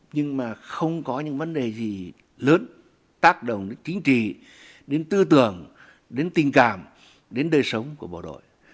nhưng mà không có những vấn đề gì lớn tác động đến chính trị đến tư tưởng đến tình cảm đến đời sống của bộ đội